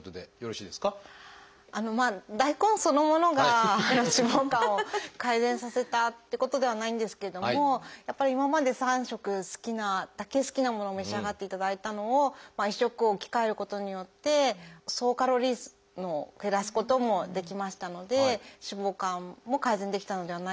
まあ大根そのものが脂肪肝を改善させたってことではないんですけれどもやっぱり今まで３食好きなだけ好きなものを召し上がっていただいたのを１食を置き換えることによって総カロリー数を減らすこともできましたので脂肪肝も改善できたのではないかなと思います。